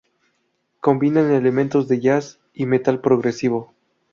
Combinan elementos de jazz y metal progresivo.